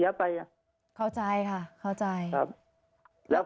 แล้วผมอยากจะถามว่าถามทนายว่ามัน